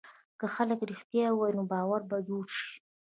که خلک رښتیا ووایي، نو باور به جوړ شي.